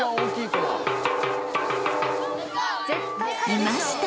［いました！